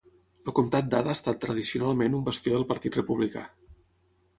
El comtat d'Ada ha estat tradicionalment un bastió del Partit Republicà.